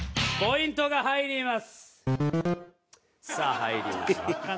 ポイントが入ります！